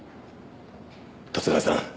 十津川さん